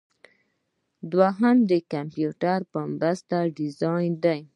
دوهم د کمپیوټر په مرسته ډیزاین دی.